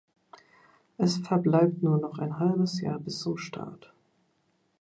Es verbleibt nur noch ein halbes Jahr bis zum Start.